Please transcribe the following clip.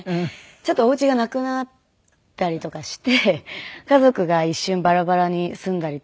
ちょっとお家がなくなったりとかして家族が一瞬バラバラに住んだりとか。